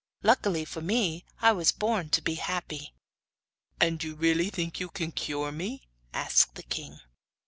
Luckily for me I was born to be happy.' 'And you really think you can cure me?' asked the king.